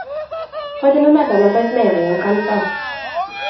Roedden nhw'n meddwl nad oedd Mary yn gwrando.